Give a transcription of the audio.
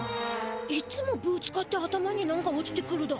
いっつもぶつかって頭になんか落ちてくるだ。